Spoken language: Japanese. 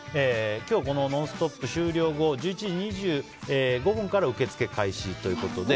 今日この「ノンストップ！」終了後１１時２５分から受け付け開始ということで。